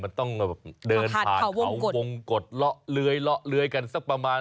มันต้องเดินผ่านเขาวงกฎเลาะเลื้อยเลาะเลื้อยกันสักประมาณ